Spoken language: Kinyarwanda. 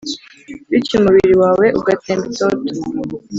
Bityo umubiri wawe ugatemba itoto